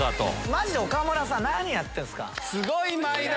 マジで岡村さん何やってんすか？